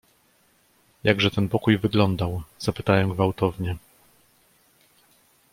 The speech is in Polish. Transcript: "„Jakże ten pokój wyglądał“ zapytałem gwałtownie."